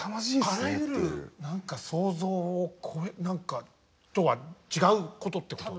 あらゆる何か想像を超え何かとは違うことってことだよね。